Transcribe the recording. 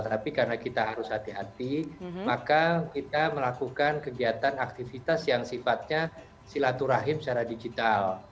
tapi karena kita harus hati hati maka kita melakukan kegiatan aktivitas yang sifatnya silaturahim secara digital